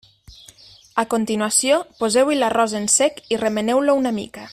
A continuació poseu-hi l'arròs en sec i remeneu-lo una mica.